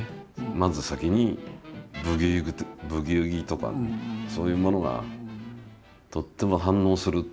まず先にブギウギとかそういうものがとっても反応すると。